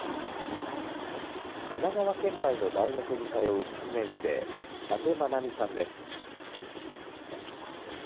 神奈川県内の大学に通う３年生、伊達愛実さんです。